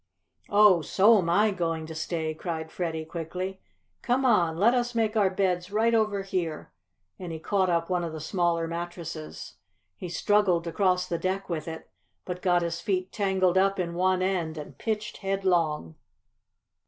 "Oh, so'm I going to stay!" cried Freddie quickly. "Come on let us make our beds right over here," and he caught up one of the smaller mattresses. He struggled to cross the deck with it, but got his feet tangled up in one end, and pitched headlong.